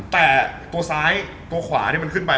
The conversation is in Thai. แต่ตัวซ้ายตัวขวามันขึ้นไป